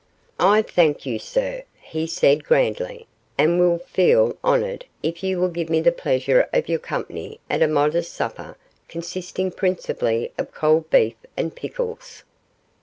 'I thank you, sir,' he said, grandly, 'and will feel honoured if you will give me the pleasure of your company at a modest supper consisting principally of cold beef and pickles.